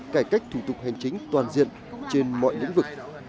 cải cách thủ tục hành chính toàn diện trên mọi lĩnh vực